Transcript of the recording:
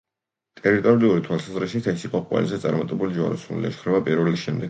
ტერიტორიული თვალსაზრისით, ეს იყო ყველაზე წარმატებული ჯვაროსნული ლაშქრობა პირველის შემდეგ.